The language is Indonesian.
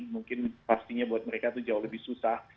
mungkin pastinya buat mereka itu jauh lebih susah